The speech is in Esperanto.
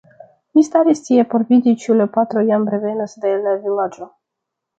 Mi staris tie por vidi ĉu la patro jam revenas de "la Vilaĝo".